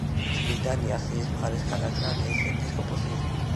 წმინდანი ასიის მხარის ქალაქ ანეის ეპისკოპოსი იყო.